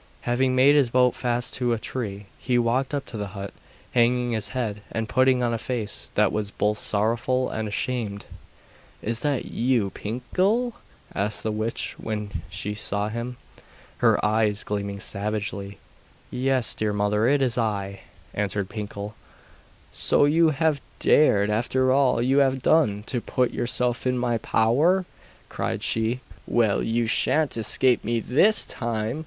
Having made his boat fast to a tree, he walked up to the hut, hanging his head, and putting on a face that was both sorrowful and ashamed. 'Is that you, Pinkel?' asked the witch when she saw him, her eyes gleaming savagely. 'Yes, dear mother, it is I,' answered Pinkel. 'So you have dared, after all you have done, to put yourself in my power!' cried she. 'Well, you sha'n't escape me THIS time!